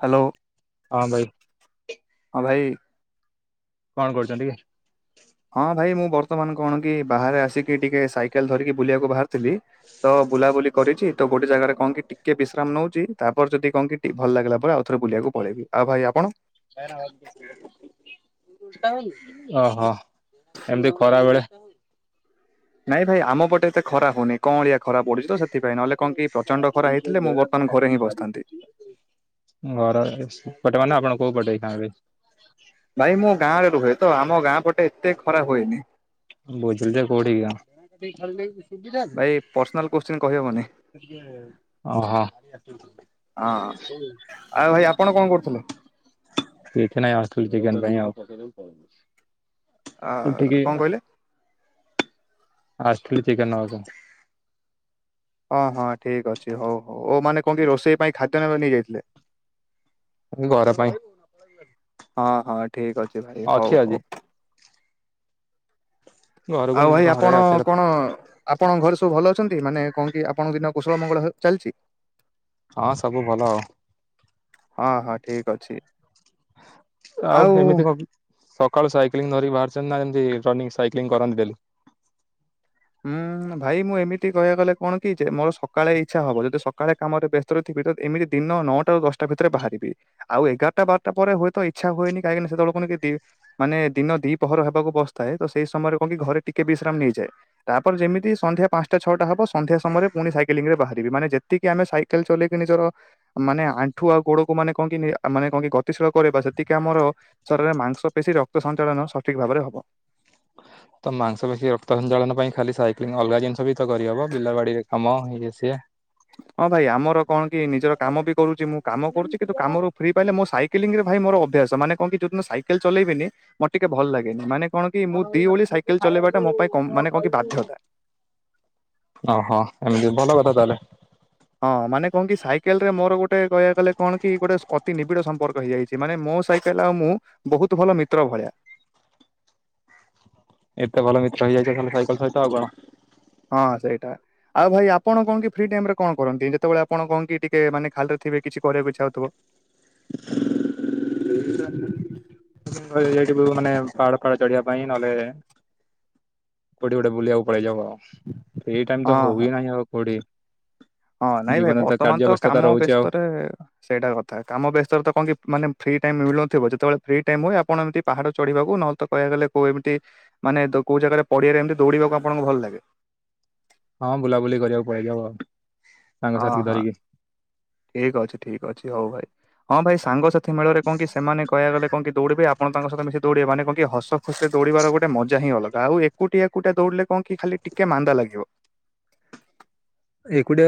Hello. ହଁ ଭାଇ ହଁ ଭାଇ। କଣ କରୁଛନ୍ତି କି? ହଁ ଭାଇ ମୁଁ ବର୍ତ୍ତମାନ କଣ କି ବାହାରେ ଆସିକି ଟିକେ ସାଇକେଲ ଧରିକି ବୁଲିବାକୁ ବାହାରୁ ଥିଲି ତ ବୁଲାବୁଲି କରିଚି ତ ଗୋଟେ ଜାଗାରେ କଣ କି ଟିକେ ବିଶ୍ରାମ ନଉଛି, ତାପରେ ଯଦି କଁ କି ଭଲ ଲାଗିଲା ପରେ ଆଉ ଥରେ ବଲିବାକୁ ପଳେଇବି। ଆଉ ଭାଇ ଆପଣ? [unintelligible] ଓହୋ ଏମିତି ଖରା ବେଳେ ନାଇଁ ଭାଇ ଆମ ପଟେ ଏତେ ଖରା ହଉନି। କଅଳିଆ ଖରା ପଡୁଛି ତ ସେଥିପାଇଁ। ନହେଲେ କଣ କି ପ୍ରଚଣ୍ଡ ଖରା ହେଇଥିଲେ ମୁଁ ବର୍ତ୍ତମାନ ଘରେ ହିଁ ବସିଥାନ୍ତି। ଘର ସେପଟେ ମାନେ ଆପଣ କୋଉ ପଟେ ଯାଇଥାନ୍ତେ? ଭାଇ ମୁଁ ଗାଁ ରେ ରୁହେ ତ, ଆମ ଗାଁ ପଟେ ଏତେ ଖରା ହୁଏନି। ବୋଝିଲି ଯେ କୋଉଠି ଗାଁ? ଭାଇ ପର୍ସନାଲ କୋତ୍ସିନ୍ କହିହବନି। ଓ ହୋ। ହଁ ଆଉ ଭାଇ ଆପଣ କଣ କରୁଥିଲେ? କିଛି ନାଇଁ ଆସିଥିଲି ଚିକେନ୍ ପାଇଁ ଆଉ। ଅ ଉଠିକି କଣ କହିଲେ? ଅହଁ ଆସିଥିଲି ଚିକେନ୍ ନବା ପାଇଁ। ହଁ ହଁ ଠିକ୍ ଅଛି। ହଉ ହଉ ଓ ମାନେ କଁ କି ରୋଷେଇ ପାଇଁ ଖାଦ୍ୟ ନେବାକୁ ନେଇଯାଇଥିଲେ? ଘର ପାଇଁ। ହଁ ହଁ ଠିକ୍ ଅଛି ଭାଇ। ହଉ ହଉ। ଘରକୁ ଆଉ ଭାଇ ଘରେ ଆପଣ ଆସିବା କଥା କଣ ଆପଣଙ୍କ ଘରେ ସବୁ ଭଲ ଅଛନ୍ତି। ମାନେ କଣ କି ଆପଣଙ୍କ ଦିନ କୁଶଳ ମଙ୍ଗଳ ଚାଲିଛି? ହଁ ସବୁ ଭଲ ଆଉ। ହଁ ହଁ ଠିକ୍ ଅଛି। ଆଉ ହେମିତି କ ସକାଳୁ ସାଇକଲିଂ ଧରିକି ବାହାରିଛନ୍ତି ନା, ଏମିତି ରନିଂ ସାଇକ୍ଲିଂ କରନ୍ତି ଡେଲି? ହୁଁ ଭାଇ ମୁଁ ଏମିତି କହିବା ଗଲେ କଣ କି ଯେ ମୋର ସକାଳେ ଇଚ୍ଛା ହବ ଯଦି ସକାଳେ କାମରେ ବ୍ୟସ୍ତ ର ଏମିତି ଦିନ ନଅଟାରୁ ଦଶଟା ଭିତରେ ବାହାରିବି। ଆଉ ଏଗାରଟା ବାରଟା ପରେ ହୁଏତ ଇଚ୍ଛା ହୁଏନି, କାହିଁକି ସେତେବେଳକୁ ମାନେ ଦିନ ଦି ପହର ହେବାକୁ ବସିଥାଏ ତ ସେଇ ସମୟରେ କଣ କି ଘରେ ଟିକେ ବିଶ୍ରାମ ନେଇଯାଏ। ତାପରେ ଯେମିତି ସନ୍ଧ୍ୟା ପାଞ୍ଚଟା ଛଅଟା ହବ ସନ୍ଧ୍ୟା ସମୟରେ ପୁଣି ସାଇକେଲିଂରେ ବାହାରିବି। ମାନେ ଯେତିକି ଆମେ ସାଇକେଲ ଚଲେଇକି ନିଜର ମାନେ ଆଣ୍ଠୁ ଆଉ ଗୋଡ କୁ ମାନେ କଣ କି ମାନେ କଣ ଗତିଶୀଳ କରେ ସେତିକି ଆମର ଶରୀରରେ ମାଂସ ପେଶୀ ରକ୍ତ ସଞ୍ଚାଳନ ସଠିକ ଭାବରେ ହବ। ତ ମାଂସପଖୀ ରକ୍ତ ସଞ୍ଚାଳନ ପାଇଁ ଖାଲି ସାଇକ୍ଲିଂ ଅଲଗା ଜିନିଷ ବି ତ କରିହବ ବିଲବାଡିରେ କାମ ଇଏ ସିଏ ହଁ ଭାଇ ଆମର କଣ କି ନିଜର କାମ ବି କରୁଛି ମୁଁ କାମ କରୁଛି କିନ୍ତୁ କାମ ରୁ ଫ୍ରି ପାଇଲେ ମୁଁ ସାଇଇେଲିଂ ରେ ଭାଇ ମୋ ଅଭ୍ୟାସ ମାନେ କଁକି ଯୋଉଦିନ ସାଇକେଲ ଚଲେଇବନି ମୋର ଟିକେ ଭଲ ଲାଗେନି ମାନେ କଣ କି ମୁଁ ଦି ଓଳି ସାଇକେଲ ଚଲେଇବା ଟା ମୋ ପାଇଁ ମାନେ କଣ କି ବାଧ୍ୟତା। ଓହୋ ଏମିତି ଭଲ କଥା ତାହେଲେ। ହଁ ମାନେ କହଣ କି ସାଇକେଲ ରେ ମୋର ଗୋଟେ କହିବା ଗଲେ କଣ କି ଗୋଟେ ଅତି ନିବିଡ଼ ସମ୍ପର୍କ ହେଇଯାଇଛି। ସେମାନେ ମୋ ସାଇକେଲ ଆଉ ମୁଁ ବହୁତ ଭଲ ମିତ୍ର ଭଳିଆ। ଏତେ ଭଲ ମିତ୍ର ହେଇଯାଇଛି ଖାଲି ସାଇକଲ ସହିତ ଆଉ କଣ। ହଁ ସେଇଟା ଆଉ ଭାଇ ଆପଣ କଣ କି ଫ୍ରି ଟାଇମ ରେ କଣ କରନ୍ତି ଯେତେବେଳେ ଆପଣ କଣ କି ଟିକେ ମାନେ ଖାଲିରେ ଥିବ କିଛି କରିବାକୁ ହଉଥିବ? [unintelligible] ମାନେ ପାହାଡ ଫାହାଡ ଚଢିବା ପାଇଁ ନହେଲେ କୋଉଠି ଗୋଟେ ବୁଲିବାକୁ ପଡେଇଯାଉ ଆଉ ଟାଇ ତ ହଁ। ହବି ନାହିଁ ଆଉ କୋଉଠି ହଁ ନାଇଁ ଭାଇ ଜୀବନ ବର୍ତ୍ତମାନ କାର୍ଯ୍ୟ ତ ବ୍ୟସ୍ତତା କାମ ରହୁଛି ଆଉ। ବ୍ୟସ୍ତରେ ସେଇଟା କଥା କାମ ବ୍ୟସ୍ତରେ ତ କଣ କି ମାନେ ଫ୍ରି ଟାଇମ ମିଳୁନଥିବ ଯେତେବେଳେ ଫ୍ରି ଟାଇମ ହୁଏ ଆପଣ ଏମିତି ପାହାଡ଼ ଚଢିବାକୁ ନହେଲେ କହକୁ ଗଲେ କୋଉ ଏମିତି ମାନେ କୋଁ ଜାଗାରେ ପଡିଆରେ ଏମିତି ଦୌଡିବାକୁ ଆପଣଙ୍କୁ ଭଲ ଲାଗେ। ହଁ ବୁଲାବୁଲି କରିବାକୁ ପଳେଇ ଯାଉ। ଅଁ ହଁ ଠିକ ଅଛି ଠିକ ଅଛି ହଉ ଭାଇ। ହଁ ଭାଇ ସାଙ୍ଗସଥି ମଳରେ କହଣ କି ସେମାନେ କହକୁଲେ କଣ କି ଦୌଡ଼ିବେ ଆପଣ ତାଙ୍କହିତ ମିଶି ଦୌଡ଼ିବ ମାନେ କହ ହସ ହ ସେ ଦୌଡ଼ିବାର ଗୋଟେ ମଜା ହିଁ ଅଲଗା ଆଉ ଏକୁଟି ଏକୁଟିଆ ଦୌଡିଲେ କଣ କି ଖାଲି ଟିକେ ମାନ୍ଦା ଲାଗିବ। ଏକୁଟଆ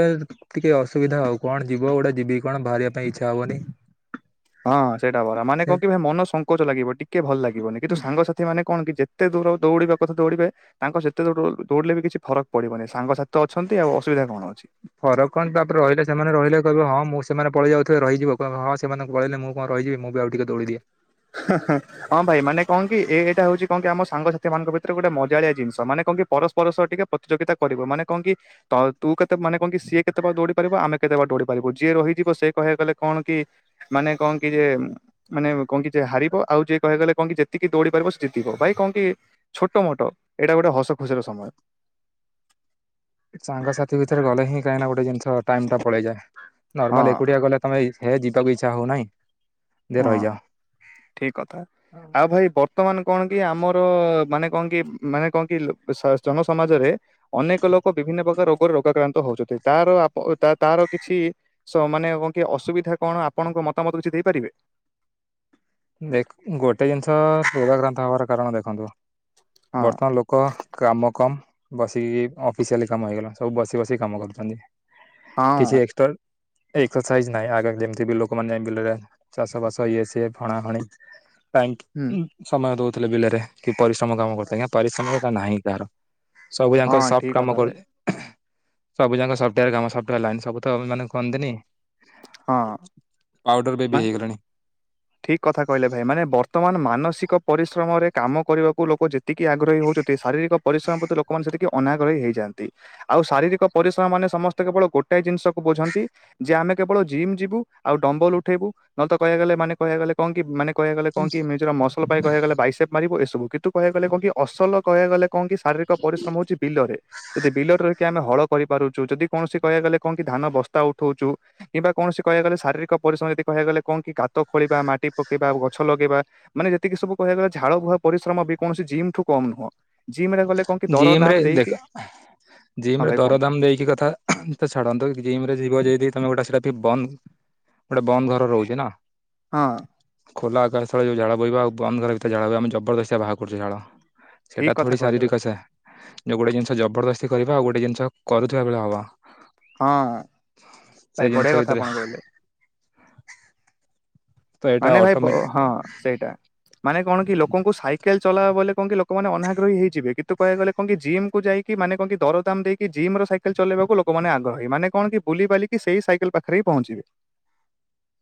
ଟିକେ ଅସୁବିଧା ହଉ କଣ ଯିବ ଗଉଟା ଯିବି କଣ ବାହାରିବା ପାଇଁ ଇଚ୍ଛା ହବନି। ହଁ ସେଇଟା ବରା ମାନେ ସେ କହ କି ଭାଇ ମନ ସଙ୍କଚ ଲାଗିବ ଟିକେ ଭଲ ଲାଗିବନି କିନ୍ତୁ ସାଙ୍ଗସାଥ ମାନ କଣ କି ଯେତେ ଦୂର ଦୌଡିବା କଥା ଦୌଡିବେ। ତାଙ୍କ ସେତେ ଦୌଡିଲେ ବି କିଛି ଫରକ ପଡିବନି ସାଙ୍ଗ ସାସଥିେ ଅଛନ୍ତି ଆଉ ଅସୁବିଧା କଣ ଅଛି। ଫରକ କଣ ତାପରେ ରହିଲେ ସେମାନେ ରହିଲେ କହିବ ହଁ ମୁଁ ସେମାନେ ପଳେଇ ଯାଉଥିବେ ରହିଯିବ ହଁ। ସେମାନଙ୍କୁହଲେ ମୁଁ କଣ ରହିିବ ମୁଁ ଆଉ ଟିକେ ଦୋଡ଼ିଦିଏ। ହୁଁ ହାଁ। ହଁ ଭାଇ ମାନେ କହଣ କି ଏଇଟା ହଉଛି କହଣ କି ଆମ ସାଙ୍ଗସାଥି ମାନଙ୍କ ଭିତରେ ଗୋଟେ ମଜାଳିଆ ଜିନିଷ ମାନେ କଣ କି ପରସ୍ପର ସହ ଟିକେ ପ୍ରତିଯୋଗିତା କରିବ ମାନେ କଣ କି ତ ତୁ କେତେ ମାନେ କଣ କି ସିଏ କେତେ ବାର ଦୌଡି ପାରିବ ଆମେ କେତେ ବାର ଦୌଡି ପାରିବୁ ଯିଏ ରହିଯିବ ସେ କହିବାକୁ ଗଲେ କଣ କି ମାନେ କହଣ କି ଯେ ମାନେ କହଣ କି ଯେ ହାରିବ ଆଉ ଯିଏ କହିବା ଗଲେ କଣ କି ଯେ ଯେତିକି ଦୌଡି ପାରିବ ସେ ଜିତିିବ ଭାଇ କଣ କି ଛୋଟ ମୋଟ ଏଇଟା ଗୋଟେ ହସ ଖୁସିର ସମୟ। ସାଙ୍ଗସାଥି ଭିତରେ ଗଲେ ହିଁ କାହିଁକି ଗୋଟେ ଜିନିଷ ଟାଇମ ଟା ପଳେଇଯାଏ ହଁ ନର୍ମାଲ ଏକୁଡିଆ ଗଲେ। ତୁମେ ହେ ଯିବାକୁ ଇଚ୍ଛା ହଉନାହିଁ ଯେ ହଁ। ରହିଯାଅ। ଠିକ କଥା। ଆଉ ଭାଇ ବର୍ତ୍ତମାନ କଣ କି ଆମର ମାନେ କଣ କି ମାନେ କହ କି ସ ଜନସମାଜରେ ଅନେକ ଲୋକ ବିଭିନ୍ନ ପ୍ରକାର ରୋଗର ରୋଗାକ୍ରାନ୍ତ ହଉଛନ୍ତି ତାରପ ତାର କିଛି ସ ମାନେ କଣ କି ଅସୁବିଧା କଣ ଆପଣଙ୍କ ମତାମତ କିଛି ଦେଇପାରିବେ। ଦେଖ ଗୋଟେ ଜିନିଷ ପଗକ୍ରାନ୍ତ ହବାର କାରଣ ଦେଖନ୍ତୁ ହଁ ବର୍ତ୍ତମାନ ଲୋକ ଲୋକ କାମ କମ ବସିକି ଅଫିସିଆଲି କାମ ହେଇଗଲା ସବୁ ବସି ବସି କାମ କରୁଛନ୍ତି। ହଁ। କିଛି ଏକ୍ସଟ୍ ଏକ୍ସରସାଇଜ୍ ନାହିଁ ଆଗ ଯେମିତି ବି ଲୋକମାନେ ବିଲରେ ଚାଷ ବାସ ଇଏ ସିଏ ହଣା ହଣି ପାଇଁ ହୁଁ ଉଁ ସମୟ ଦଉଥିଲେ ବିଲରେ କି ପରିଶ୍ରମ କାମ କରିଥିଲେ ଆଜ୍ଞା ପରିଶ୍ରମା ନାହିଁ କହାର। ସବୁ ଯାଙ୍କ ହଁ ଠିକ ସଫ୍ଟ କାମ କଥା ଭାଇ କରୁ ସବୁ ଯାକ ସଫ୍ଟୱୋର୍ କାମ ସଫ୍ଟୱୋର ଲାଇନ୍ ସବୁ ତ ମାନ କୁହନ୍ତିନି ହଁ। ପାଉଡ଼ର ମା ବେବି ହେଇଗଲାଣି। ଠିକ କଥା କହିଲେ ଭାଇ ମାନେ ବରଂ ବର୍ତ୍ତମାନ ମାନସିକ ପରିଶ୍ରମରେ କାମ କରିବାକୁ ଲୋକ ଯେତିକି ଆଗ୍ରହୀ ହଉଛନ୍ତି ଶାରୀରିକ ପରିଶ୍ରମ ପ୍ରତି ଲୋ ଲୋକମାନେ ସେତିକି ଅନାଗ୍ରହୀ ହେଇଯାନ୍ତି ଆଉ ଶାରୀରିକ ପରିଶ୍ରମ ମାନେ ସମସ୍ତେ କେବଳ ଗୋଟାଏ ଜିନିଷକୁ ବୁଝନ୍ତି ଯେ ଆମେ କେବଳ ଜିମ୍ ଯିବୁ ଆଉ ଡମ୍ବଲ ଉଠେଇବୁ ନଏଲ୍ ତ କହିଆକୁ ଗଲେ ମାନେ କହିଆ ଗଲେ କଁ କି ମାନେ କୟା ଗଲେ କଁ କି ମିଜର ମସ୍ [unintelligible] ପାଇ କହିଆ ଗଲେ ବାଇସେପ୍ ମାରିବୁ ଏସବୁ କିତୁ କହିଆକୁ ଗଲେ କଁ କି ଅସଲ କହିଆ ଗଲେ କଁ କି ଶାରୀରିକ ପରିଶ୍ରମ ହଉଚି ବିଲରେ ଯଦି ବିଲରେ ରହିକି ଆମେ ହଳ କରିପାରୁଚୁ ଯଦି କୌଣସି କହିଆକୁ ଗଲେ କଁ କି ଧାନ ବସ୍ତା ଉଠଉଚୁ। କିମ୍ବା କୌଣସି କହିଆ ଗଲେ ଶାରୀରିକ ପରିଶ୍ରମ ଯଦି କହିବା ଗଲେ କଣ କି କାତ ଖୋଳିବା, ମାଟି ପକେଇବା, ଗଛ ଲଗେଇବା। ମାନେ ଯେତିକି ସବୁ କହିଆ ଗଲା ଝାଳ ବୁହା ପରିଶ୍ରମ ବି କୌଣସି ଜିମ୍ ଠୁ କମ୍ ନୁହଁ। ଜିମ୍ ରେ ଗଲେ କଣ କି ଦର ଜିମ୍ ଦାମ ରେ ଦେ ଦେଇକି ହାଁ ହଁ ଜିମ୍ ରେ ଭାଇ କୁହନ୍ତୁ। ଦରଦାମ ଦେଇକି କଥା ତ ଛାଡ଼ନ୍ତୁ ଜିମ୍ ରେ ଯିବ ଯେଦି ତମେ ଗୋଟେ ସେଟା ବି ବନ୍ଦ୍ ଗୋଟେ ବନ୍ଦ ଘର ରହୁଚି ନା। ହଁ। ଖୋଲା ଆକାଶ ତଳେ ଯୋଉ ଝାଳ ବହିବ ଆଉ ବନ୍ଦ ଘର ଭିତରେ ଝାଳ ବୋୟ ଆମେ ଜବରଦସ୍ତିଆ ବାହ କରୁଚେ ଝାଳ। ସେଇଟା ଠିକ୍ କଥ୍ ଥୋଡି ଶାରୀରିକ ସା ଯଉ ଗୋଟେ ଜିନିଷ ଜବରଦସ୍ତି କରିବା ଆଉ ଗୋଟେ ଜିନିଷ କରୁଥୁବା ବେଳେ ହବ। ହଁ ଭାଇ ବଢିଆ କଥା ଭିତରେ ଆପଣ କହିଲେ। ତ ଏଇଟା ମାନେ ଭାଇ ବ ଅଟୋମେଟିକ ହଁ ସେଇଟା ମାନେ କଣ କି ଲୋକଙ୍କୁ ସାଇକେଲ ଚଲାଅ ବଲେ କଁ କି ଲୋକମାନେ ଅନାଗ୍ରହୀ ହେଇଯିବେ କିତୁ କହିଆକୁ ଗଲେ କଁ କି ଜିମ୍ କୁ ଯାଇକି ମାନେ କଁ କି ଦରଦାମ ଦେଇକି ଜିମ୍ ର ସାଇକେଲ ଚଲେଇବାକୁ ଲୋକମାନେ ଆଗ୍ରହୀ ମାନେ କଣ କି ବୁିଲି ବାଲି ସେଇ ସାଇକେଲ ପାଖରେ ହି ପହଞ୍ଚିବେ।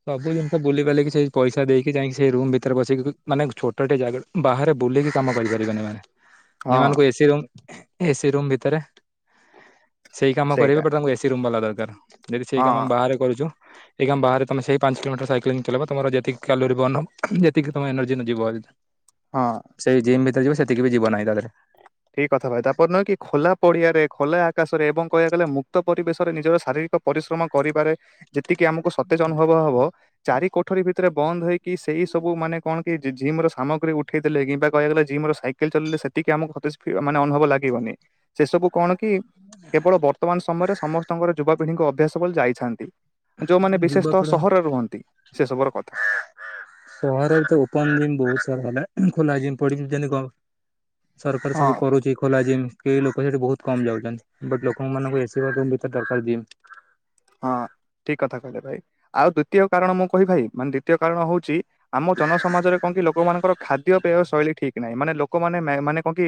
ସବୁ ଜିନିଷ ବୁଲିିବାଲିକି ସେଇ ପଇସା ଦେଇକି ଯାଇଁକି ସେଇ ରୁମ୍ ଭିତରେ ବସିକି ମାନେ ଛୋଟଟେ ଜାଗା ବାହାରେ ବୁଲିକି କାମ କରିପାରିବେନି ଏମାନେ। ହଁ ଏମାନଙ୍କୁ ଏସି ରୁମ୍ ଏସି ରୁମ୍ ଭିତରେ ସେଇ କାମ କରିବେ ସେଇଟା। ବଟ୍ ତାଙ୍କୁ ଏସି ରୁମ୍ ବଲା ଦରକାର ଯଦି ସେଇ ହଁ କାମ ବାହାରେ କରୁଚୁ ଏଇ କାମ ବାହାରେ ତମେ ସେଇ ପାଞ୍ଚ କିଲୋମିଟର ସାଇକେଲିଂ ଚଲେଇବ ତମର ଯେତିକ କ୍ୟାଲୋରି ବର୍ଣ୍ଣ ହ ଯେତିକି ତମ ଏନର୍ଜି ଯିବ। ହଁ। ସେଇ ଜିମ୍ ଭିତରେ ଯିବ ସେତିକି ବି ଯିବ ନାହିଁ ତା ଦେହରେ। ଠିକ୍ କଥା ଭାଇ ତାପରେ ନୁହେଁ କି ଖୋଲା ପଡିଆରେ ଖୋଲା ଆକାଶରେ ଏବଂ କହିଆକୁ ଗଲେ ମୁକ୍ତ ପରିବେଶରେ ନିଜର ଶାରୀରିକ ପରିଶ୍ରମ କରିବାରେ ଯେତିକି ଆମକୁ ସତେଜ ଅନୁଭବ ହବ। ଚାରି କୋଠରୀ ଭିତରେ ବନ୍ଦ ହେଇକି ସେଇ ସବୁ ମାନେ କଣ କି ଜି ଜିମ୍ ର ସାମଗ୍ରୀ ଉଠେଇଦେଲେ କିମ୍ବା କହିଆକୁ ଗଲେ ଜିମ ର ସାଇ କେଲ୍ ଚଲଲେ ସେତିକି ଆମକୁ ଖତେଜ୍ ଫି ମାନେ ଅନୁଭବ ଲାଗିବନି ସେ ସବୁ କଣ କି କେବଳ ବ ତମାନ ସମୟରେ ସମସ୍ତଙ୍କର ଯୁବାପିଢ଼ିଙ୍କୁ ଅଭ୍ୟାସ ବୋଲି ଯାଇଛାନ୍ତି। ଯୋଉମାନେ ବିଶେଷତଃ ଯୁବପିଢ଼ ସହରରେ ରୁହନ୍ତି ସେ ସବୁର କଥା। ସହରରେ ତ ଓପନ ଜିମ୍ ବହୁ ସାରା ହେଲା ଖୋଲା ଜିମ୍ ପଡିଚି ଯେମିତି କ ସରକାର ହଁ ସବୁ କରୁଚି ଖୋଲା ଜିମ୍। କେଇ ଲୋକ ସେଠି ବହୁତ୍ କମ୍ ଯାଉଚନ୍ତି ବଟ୍ ଲୋକମାନଙ୍କୁ ଏସି ର ରୁମ୍ ଭିତରେ ଦରକାର ଜିମ୍। ହଁ ଠିକ୍ କଥା କହିଲେ ଭାଇ ଆଉ ଦ୍ଵିତୀୟ କାରଣ ମୁଁ କହିବି ଭାଇ ମାନେ ଦ୍ଵିତୀୟ କାରଣ ହଉଚି ଆମ ଜନସମାଜରେ କଁ କି ଲୋକମାନଙ୍କର ଖାଦ୍ୟ ପେୟ ଶୈଳୀ ଠିକ୍ ନାହିଁ ମାନେ ଲୋକମାନେ ମ୍ୟା ମାନେ କଁ କି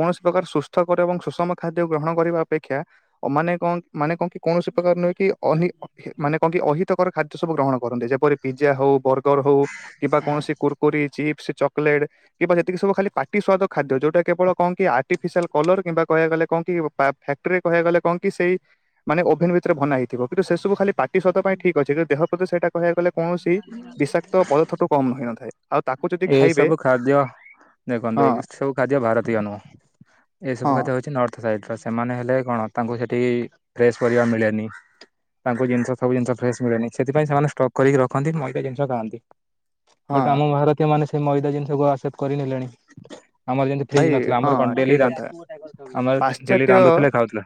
କୌଣସି ପ୍ରକାର ସୁସ୍ଥକର ଏବଂ ସୁଷମ ଖାଦ୍ୟ ଗ୍ରହଣ କରିବା ଅପେକ୍ଷା ଅ ମାନେ କଁ ମାନେ କଁ କି କୌଣସି ପ୍ରକାର ନୁହେ ଅନିହି ଅ ହି ମାନେ କଁ କି ଅହିତକର ଖାଦ୍ୟ ସବୁ ଗ୍ରହଣ କରନ୍ତି ଯେପରି ପିଜା ହଉ ବର୍ ଗର୍ ହଉ କିବା କୌଣସି କୁରୁକୁରି, ଚିପସ୍, ଚକୋଲେଟ କିବା ଯେତିକି ସବୁ ଖାଲି ପାଟି ସୁଆଦ ଖାଦ୍ୟ ଯୋଉଟା କେବଳ କଁ କି ଆ ଟିଫିସିଆଲ କଲର କିମ୍ବା କହିଆକୁ ଗଲେ କଁ କି ପା ଫାକ୍ଟ୍ରିରେ କହିଆକୁ ଗଲେ କଁ କି ସେଇ ମାନେ ଓଭେନ ଭିତରେ ବନା ହେଇଥିବ କିତୁ ସେ ସବୁ ଖାଲି ପାଟି ସ୍ବାଦ ପାଇଁ ଠିକ୍ ଅଛି କିତୁ ଦେହ ପ୍ରତି ସେଇଟା କହଆକୁ ଗଲେ କୌଣସି ବିଷାକ୍ତ ପଦାଥଠୁ କମ୍ ହଇନଥାଏ ଆଉ ତାକୁ ଯଦି ଖାଇବେ ଏସବୁ ଖାଦ୍ୟ ଦେଖନ୍ତୁ ଏ ହଁ ଗିଷ୍ଟ ସବୁ ଖାଦ୍ୟ ଭାରତୀୟ ନୁହଁ ହଁ ଏସବୁ ଖାଦ୍ୟ ହଉଚି ନର୍ଥ ସାଇଟ୍ ର ସେମାନେ ହେଲେ କଣ ତାଙ୍କୁ ସେଠି ଫ୍ରେଶ ପରିବା ମିଳେନି। ତାଙ୍କୁ ଜିନିଷ ସବୁ ଜିନିଷ ଫ୍ରେସ ମିଳେନି ସେଥିପାଇଁ ସେମାନେ ଷ୍ଟକ୍ କରିକି ର ଖନ୍ତି ମଇଦା ଜିନିଷ ଖାଆନ୍ତି ବଟ୍ ହଁ ଆମ ଭାରତୀୟ ମାନେ ସେ ମଇଦା ଜିନିଷକୁ ଆକ୍ସେପ୍ଟ କରିନେଲେଣି। ଆମର ଯେମିତି ଭାଇ ଫ୍ରିଜ ନଥିଲା ହଁ ଆମର କଣ ଡେଲି ଠିକ କଥା ରାନ୍ଧୁ ଆମର ଡେଲି ପାଶ୍ଚାତ୍ୟ ରାନ୍ଧୁଥିଲେ ଖାଉଥିଲେ।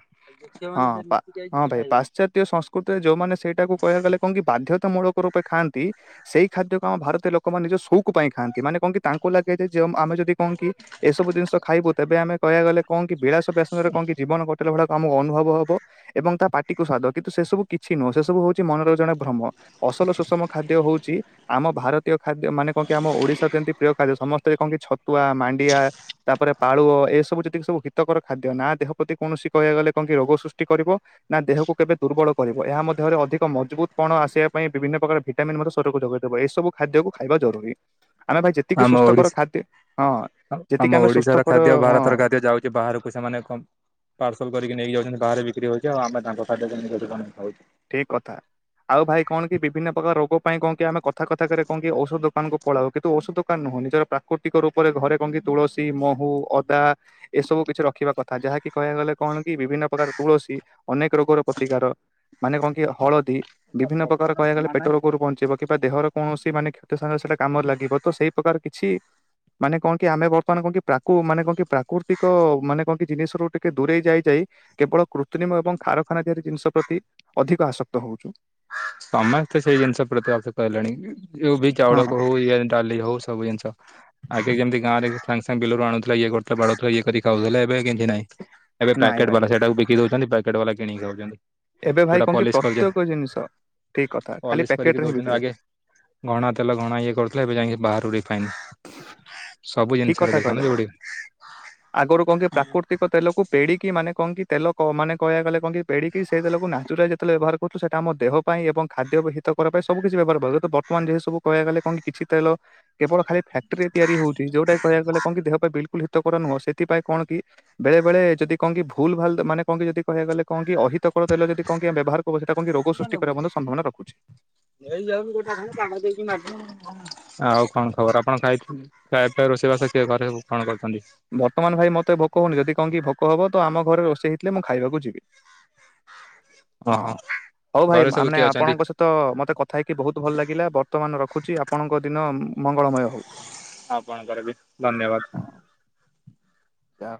ଯେତିକି ସଂସ୍କୃତିରେ ଯୋଉମାନେ ସେଇଟା କହିବା ଗଲେ କଣ କି ବାଧ୍ୟତାମୂଳକ ରୂପେ ଖାଆନ୍ତି। ସେଇ ଖାଦ୍ୟ କୁ ଆମ ଭାରତର ଲୋକମାନେ ନିଜ ସଉକ ପାଇଁ ଖାଆନ୍ତି ମାନେ କଣ କି ତାଙ୍କୁ ଲାଗେ ଯେ ଯେ ଆମ ଆମେ ଯଦି କଣ କି ଏସବୁ ଜିନିଷ ଖାଇବୁ ତେବେ ଆମେ କହିବାକୁ ଗଲେ କଣ କି ବିଳାସ ବେସନରେ କଣ କି ଜୀବନ କଟେ। ଯୋଉ ଗୁଡାକୁ ଆମକୁ ଅନୁଭବ ହବ। ଏବଂ ତା ପାଟିକୁ ସ୍ବାଦ କିନ୍ତୁ ସେ ସବୁ କିଛି ନୁହଁ ସେ ସବୁ ହଉଛି ମନର ଜଣେ ଭ୍ରମ। ଅସଲ ସୁଷମ ଖାଦ୍ୟ ହଉଛି ଆମ ଭାରତ ଜାତୀୟ ଖାଦ୍ୟ ମାନେ କଣକି ଆମ ଓଡ଼ିଶାର ଯେମିତି ପ୍ରିୟ ଖାଦ୍ୟ ସମସ୍ତେ କହନ୍ତି ଛତୁଆ, ମାଣ୍ଡିଆ ତାପରେ ପାଳୁଅ ଏସବୁ ଯେତିକି ସବୁ ହିତକର ଖାଦ୍ୟ ନା ଦେହ ପ୍ରତି କୌଣସି କହିବାକୁ ଗଲେ କଣକି ରୋଗ ସୃଷ୍ଟି କରିବ। ନା ଦେହକୁ କେବେ ଦୁର୍ବଳ କରିବ ଏହା ମଧ୍ୟରେ ଅଧିକ ମଜବୁତ୍ ପଣ ଆସିବା ପାଇଁ ବିଭିନ୍ନ ପ୍ରକାର ଭି ଭିଟାମିନ ମଧ୍ୟ ଶରୀରକୁ ଯୋଗାଇଦବ ଏ ସବୁ ଖାଦ୍ୟକୁ ଖାଇବା ଜରୁରୀ। ଆମେ ଭାଇ ଯେତିକି ଆମ ସୁସ୍ଥ କର ଓଡିଶା ଖାଦ୍ୟ ହଁ। ଯେତିକି ଆମ ଆମେ ଓଡିଶାର ସୁସ୍ଥକର ଖାଦ୍ୟ ହଁ ଭାରତର ଖାଦ୍ୟ ଯାଉଛି ବାହାରକୁ ସେମାନେ କଣ ପାର୍ସଲ କରିକି ନେଇକ ଯାଉଛନ୍ତି ଵାହାରେ ବିକ୍ରି ହଉଛି ଆମ ତାଙ୍କ ଖାଦ୍ୟ କେମିତି କଣ ଖାଉଛେ। ଠିକ କଥା ଆଉ ଭାଇ କଣ କି ବିଭିନ୍ନ ପ୍ରକାର ରୋଗ ପାଇଁ କଣ କି ଆମେ କଥା କଥା କରେ କଣ କି ଔଷଧ ଦୋକାନକୁ ପଳାଉ କିନ୍ତୁ ଔଷଧ ଦୋକାନ ନୁହଁ ନିଜର ପ୍ରାକୃତିକ ରୂପରେ ଘରେ କଣକି ତୁଳସୀ ମହୁ ଅଦା ଏସବୁ କିଛି ରଖିବା କଥା ଯାହାକି କହିବା ଗଲେ କଣ କି ବିଭିନ୍ନ ପ୍ରକାର ତୁଳସୀ ଅନେକ ରୋଗର ପ୍ରତିକାର ମାନେ କଣ କି ହଳଦୀ ବିଭିନ୍ନ ପ୍ରକାର କହିବାକୁଗଲେ ପେଟ ରୋଗରୁ ବଞ୍ଚେଇବ। କିମ୍ବା ଦେହର କୌଣସି ମାନେ କ୍ଷତ ସାର ସେଇଟା କାମରେ ଲାଗିବ ତ ସେଇ ପ୍ରକାର କିଛି ମାନେ କଣ କି ଆମେ ବର୍ତ୍ତମାନ କଣ କି ପ୍ରାକୁ ମାନେ କଣ କି କହ କି ପ୍ରାକୃତିକ ମାନେ କଣ କି ଜିନିଷରୁ ଟିକେ ଦୂରେଇ ଯାଇଯାଇ। କେବଳ କୃତ୍ରିମ ଏବଂ କାରଖାନା ଆରି ଜିନିଷ ପ୍ରତି ଅଧିକ ଆସକ୍ତ ହଉଛୁ। ସମସ୍ତେ ସେଇ ଜିନିଷ ପ୍ରତି ଆଶକ୍ତ ହେଲେଣି ଯୋଉ ବି ହଁ। ଚାଉଳ ହଉ ଏ ଯେ ଡାଲି ହଉ ସବୁ ଜିନିଷ ଆଗେ କେମିତି ଗାଁରେ ସାଙ୍ଗେ ସାଙ୍ଗେ ବିଲୁରୁ ଆଣୁଥିଲ ଇଏ କରୁଥିଲ ବାଢୁଥିଲ ଇଏ କରି ଖାଉଥିଲ ଏବେ କିଛି ନାଇଁ। ଏବେ ନାଇଁ ପ୍ୟାକେଟ୍ ଭାଇ ବାଲା ସେଇଟାକୁ ବିକି ଦଉଛନ୍ତି ପ୍ୟାକେଟ୍ ବାଲା କିଣିକି ଖାଉଛନ୍ତି। ଏବେ ଭାଇ ଯୋଉଟା କଣ କି ପଲିସ କରିଛନ୍ତି ପ୍ରତ୍ୟେକ ଜିନିଷ ଠିକ କଥା ଖାଲି ପଲିସ କରିକି ପ୍ୟାକେଟରେ ହିଁ ଦଉଛନ୍ତି ବିକ୍ରି ଆଗେ ହୁଏ। ଘଣା ତେଲ ଘଣା ଇଏ କରୁଥିଲ ଏବେ ଯାଇକି ବାହାରୁ ରିଫାଇନ୍ ସବୁ ଠିକ ଜିନିଷରେ କଥା ଦେଖନ୍ତୁ କହିଲେ ଏବେ। ଯୋଉଠି ଆଗରୁ କଣ କି ପ୍ରାକୃତିକ ତେଲକୁ ପେଡିକି ମାନେ କଣ କି ତେଲ ମାନେ କହିବା ଗଲେ କଣ କି ପେଡ଼ିକି ସେଇ ତେଲ ନାଚୁରାଲ ଯେତେବେଳେ ବ୍ୟବହାର କରୁଛୁ ସେଟା ଆମ ଦେହ ପାଇଁ ଏବଂ ଖାଦ୍ୟ ହିତ କର ପାଇଁ ସବୁ କିଛି ବ୍ୟବହାର କରୁ ବ ବର୍ତ୍ତମାନ ଯୋଉ ସବୁ କହିବାକୁ ଗଲେ କଣ କିଛି ତେଲ କେବଳ ଖାଲି ଫ୍ୟାଟ୍ରିରେ ତିଆରି ହଉଛି। ଯୋଉଟାକୁ କହିବାକୁ ଗଲେ କଣ କି ଦେହ ପାଇଁ ବିଲକୁଲ ହିତକର ନୁହଁ ସେଥିପାଇଁ କଣ କି ବେଳେବେଳେ ଯଦି କଣ କି ଭୁଲ ଭାଲ ମାନେ କହ କି ଯଦି କହିବାକୁ ଗଲେ କଣ କି ଅହିତକର ତେଲ ଯଦି କଣ କି ଆମ ବ୍ୟହାର କରୁ ସେଟା କଣ କି ରୋଗ ସୃଷ୍ଟି କରିବାର ମଧ୍ୟ ସମ୍ଭାବନା ରଖୁଛି। ନେଇ ଯାଉନୁ ତୋ ପାଖକୁ ଗୋଟେ [unintelligible] ଆଉ କଣ ଖବର ଆପଣ ଖାଇ ଖାଇବା ପିଇବା ରୋଷେଇବାସ ଘରେ ସବୁ କଣ କରୁଛନ୍ତି? ବର୍ତ୍ତମାନ ଭାଇ ମତେ ଭୋକ ହଉନି ଯଦି କଣ କିି ଭୋକ ହବ ତ ଆମ ଘରେ ରୋଷେଇ ହେଇଥିଲେ ମୁଁ ଖାଇବାକୁ ଯିବି। ହଁ ଓହୋ ହଉ ଭାଇ ଘରେ ସବୁ ମାନେ କିଏ ଅଛନ୍ତି ଆପଣଙ୍କ ସହ ତ ମତେ କଥା ହେଇକି ବହୁତ ଭଲ ଲାଗିଲା ବର୍ତ୍ତମାନ ରଖୁଛି ଆପଣଙ୍କ ଦିନ ମଙ୍ଗଳମୟ ହଉ। ଆପଣଙ୍କର ବି ଧନ୍ୟବାଦ। ଯା